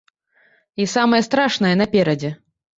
І самае страшнае наперадзе.